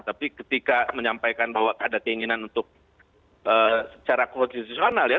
tapi ketika menyampaikan bahwa ada keinginan untuk secara konstitusional ya